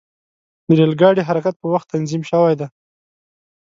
د ریل ګاډي حرکت په وخت تنظیم شوی دی.